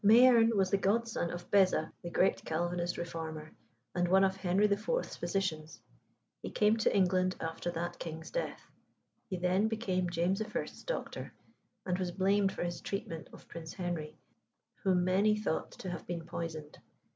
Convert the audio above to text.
Mayerne was the godson of Beza, the great Calvinist reformer, and one of Henry IV.'s physicians. He came to England after that king's death. He then became James I.'s doctor, and was blamed for his treatment of Prince Henry, whom many thought to have been poisoned.